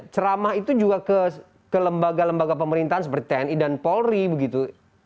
ceramah itu juga ke lembaga lembaga pemerintahan seperti tni dan polri begitu